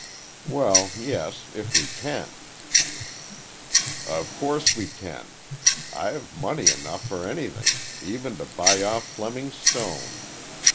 "Well, yes, if we can." "Of course we can. I've money enough for anything—even to buy off Fleming Stone.